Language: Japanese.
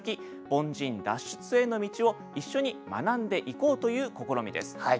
凡人脱出への道を一緒に学んでいこうという試みです。